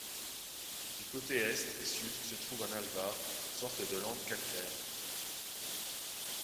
Du côté est et sud, se trouve un alvar, sorte de lande calcaire.